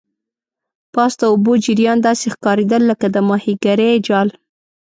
پاس د اوبو جریان داسې ښکاریدل لکه د ماهیګرۍ جال.